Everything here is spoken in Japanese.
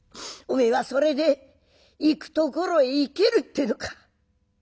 おめえはそれで行くところへ行けるってえのか。